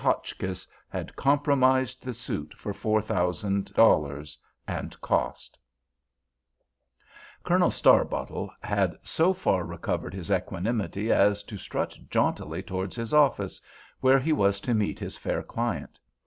Hotchkiss had compromised the suit for four thousand dollars and costs. Colonel Starbottle had so far recovered his equanimity as to strut jauntily towards his office, where he was to meet his fair client.